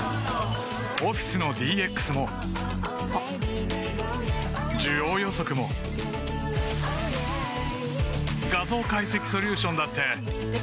オフィスのＤＸも需要予測も画像解析ソリューションだって出来ました。